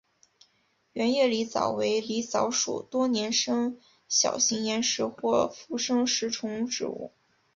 圆叶狸藻为狸藻属多年生小型岩生或附生食虫植物。